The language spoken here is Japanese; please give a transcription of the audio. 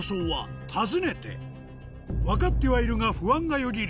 分かってはいるが不安がよぎる